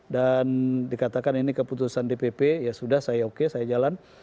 dikatakan ini keputusan dpp ya sudah saya oke saya jalan